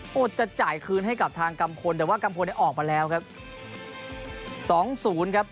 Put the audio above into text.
โทษจะจ่ายคืนให้กับทางกำคลแต่ว่าก้มคลออกมาแล้วครับ